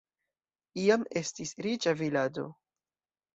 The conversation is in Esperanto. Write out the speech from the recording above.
Iam estis riĉa vilaĝo.